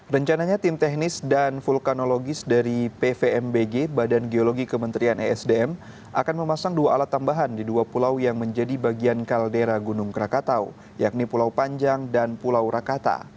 rencananya tim teknis dan vulkanologis dari pvmbg badan geologi kementerian esdm akan memasang dua alat tambahan di dua pulau yang menjadi bagian kaldera gunung krakatau yakni pulau panjang dan pulau rakata